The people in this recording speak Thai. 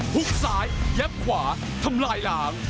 หุบซ้ายแยบขวาทำลายล้าง